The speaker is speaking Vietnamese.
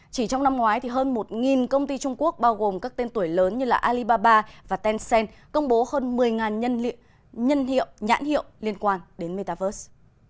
chỉ trong năm ngoái hơn một công ty trung quốc bao gồm các tên tuổi lớn như alibaba và tencent công bố hơn một mươi nhãn hiệu liên quan đến metaverse